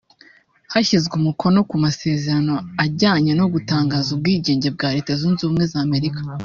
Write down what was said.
Hashyizwe umukono ku masezerano ajyanye no gutangaza ubwigenge bwa Leta Zunze Ubumwe z’Amerika